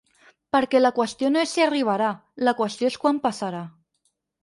Perquè la qüestió no és si arribarà, la qüestió és quan passarà.